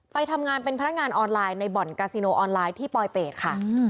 ไปทำงานเป็นพนักงานออนไลน์ในบ่อนกาซิโนออนไลน์ที่ปลอยเป็ดค่ะ